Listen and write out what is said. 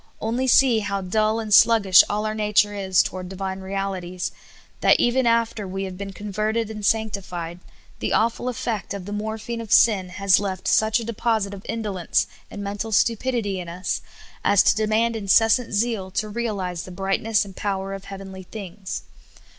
Only see how dull and sluggish all our nature is toward Divine realities ; that even after we have been converted and sanctified, the awful effect of the morphine of sin has left such a de posit of indolence and mental stupidity in us as to de mand incessant zeal to realize the brightness and power of heavenly things.